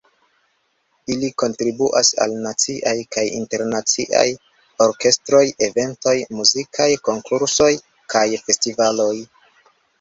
Ili kontribuas al naciaj kaj internaciaj orkestroj, eventoj, muzikaj konkursoj kaj festivaloj.